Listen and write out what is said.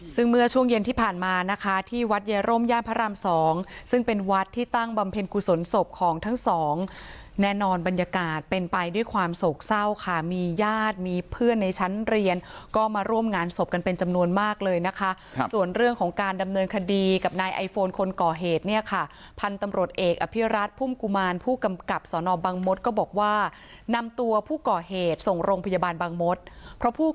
ซึ่งเมื่อช่วงเย็นที่ผ่านมานะคะที่วัดเยโรมย่าพระราม๒ซึ่งเป็นวัดที่ตั้งบำเพ็ญกุศลศพของทั้งสองแน่นอนบรรยากาศเป็นไปด้วยความโศกเศร้าค่ะมีญาติมีเพื่อนในชั้นเรียนก็มาร่วมงานศพกันเป็นจำนวนมากเลยนะคะส่วนเรื่องของการดำเนินคดีกับนายไอโฟนคนก่อเหตุเนี่ยค่ะพันธุ์ตำรวจเอกอภิร